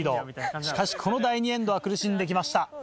しかしこの第２エンドは苦しんできました。